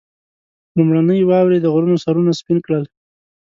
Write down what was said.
لومړنۍ واورې د غرو سرونه سپين کړل.